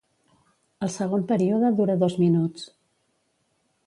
El segon període dura dos minuts.